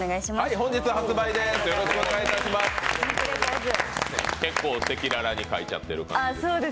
本日発売です。